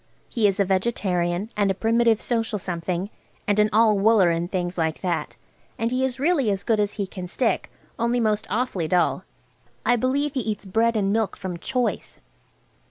He is a vegetarian and a Primitive Social Something, and an all wooler, and things like that, and he is really as good as he can stick, only most awfully dull. I believe he eats bread and milk from choice.